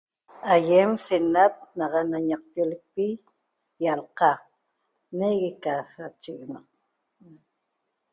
Aiem se nat na ñaqpioleqpi yalca negue ca sacheguenac